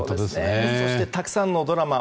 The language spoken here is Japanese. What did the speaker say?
そしてたくさんのドラマ。